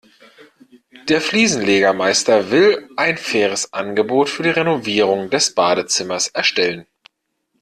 Der Fliesenlegermeister will ein faires Angebot für die Renovierung des Badezimmers erstellen.